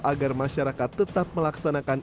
agar masyarakat tetap melaksanakan